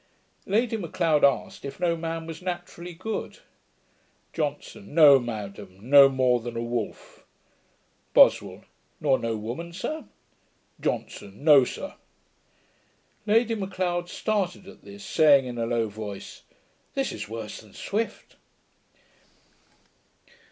Lady M'Leod asked, if no man was naturally good. JOHNSON. 'No, madam, no more than a wolf.' BOSWELL. 'Nor no woman, sir?' JOHNSON. 'No, sir.' Lady M'Leod started at this, saying, in a low voice, 'This is worse than Swift.'